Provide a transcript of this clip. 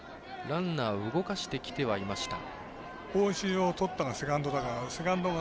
ランナーを動かしてきてはいました。